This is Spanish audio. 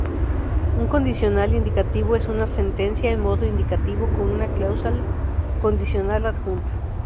Un condicional indicativo es una sentencia en modo indicativo con una cláusula condicional adjunta.